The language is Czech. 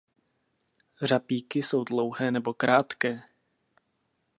Řapíky jsou dlouhé nebo krátké.